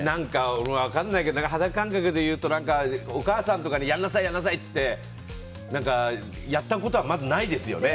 分かんないけど肌感覚で言うとお母さんとかにやりなさいって言われてやったことはまずないですよね。